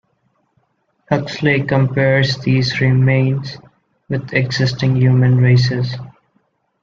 Huxley compares these remains with existing human races.